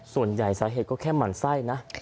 ส่วนใหญ่สาเหตุก็แค่หมั่นไส้นะ